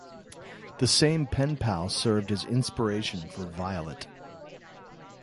The same pen pal served as inspiration for Violet.